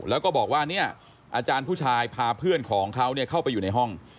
แล้วก็บอกว่าเนี่ยอาจารย์ผู้ชายพาเพื่อนของเขาเข้าไปอยู่ในห้อง